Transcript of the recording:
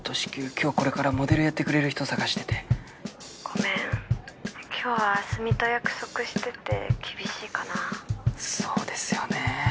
今日これからモデルやってくれる人探しててごめん今日は明日美と約束してて厳しいかなそうですよね